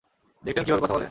দেখলেন কীভাবে কথা বলে?